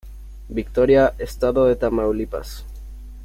Victoria-Estado de Tamaulipas.